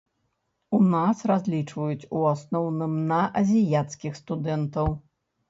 У нас разлічваюць у асноўным на азіяцкіх студэнтаў.